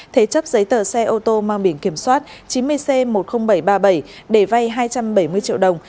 thế chấp giấy tờ xe ô tô mang biển kiểm soát chín mươi c một mươi nghìn bảy trăm ba mươi bảy để vay hai trăm bảy mươi triệu đồng